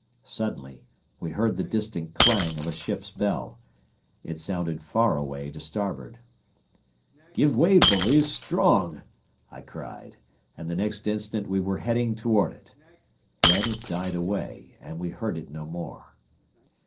Suddenly we heard the distant clang of a ship's bell. It sounded far away to starboard. "Give way, bullies, strong," I cried, and the next instant we were heading toward it. Then it died away, and we heard it no more.